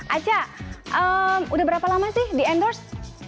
aca udah berapa lama sih di endorse